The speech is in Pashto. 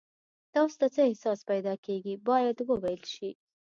تاسو ته څه احساس پیدا کیږي باید وویل شي.